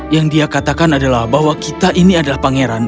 yang dia katakan adalah bahwa kita ini adalah pangeran